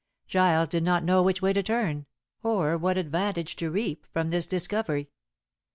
Giles did not know which way to turn, or what advantage to reap from this discovery.